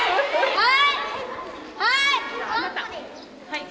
はい！